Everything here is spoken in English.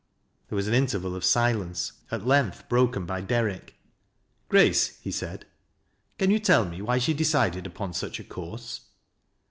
There was an interval of silence, at length broken \}\ I )errick. " Grace," he said, " can you tell me why she decide'' Vi\)aa. such a course